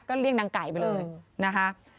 ก็เรียกนางไก่ไปเลยนะคะ